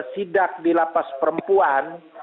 sidak di lapas perempuan